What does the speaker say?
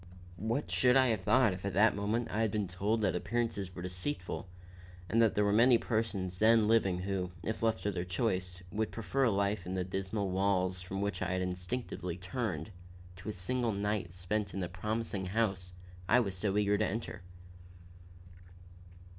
What should I have thought if at that moment I had been told that appearances were deceitful, and that there were many persons then living who, if left to their choice, would prefer life in the dismal walls from which I had instinctively turned, to a single night spent in the promising house I was so eager to enter.